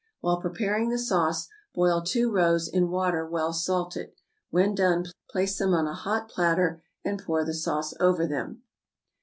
While preparing the sauce, boil two roes in water well salted. When done, place them on a hot platter, and pour the sauce over them.